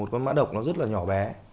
con mã độc nó rất là nhỏ bé